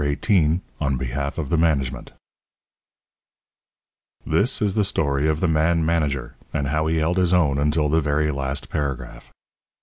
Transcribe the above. XVIII ON BEHALF OF THE MANAGEMENT This is the story of the man manager, and how he held his own until the very last paragraph.